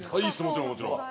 もちろんもちろん。